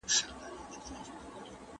زه کولای سم انځورونه رسم کړم؟